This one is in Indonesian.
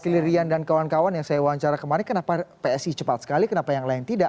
jadi rian dan kawan kawan yang saya wawancara kemarin kenapa psi cepat sekali kenapa yang lain tidak